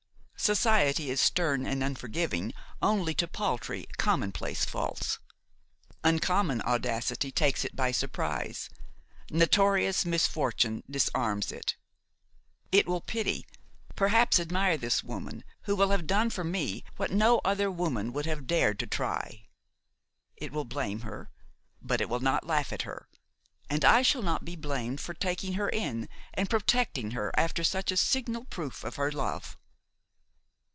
Society is stern and unforgiving only to paltry, commonplace faults. Uncommon audacity takes it by surprise, notorious misfortune disarms it; it will pity, perhaps admire this woman who will have done for me what no other woman would have dared to try. It will blame her, but it will not laugh at her, and I shall not be blamed for taking her in and protecting her after such a signal proof of her love.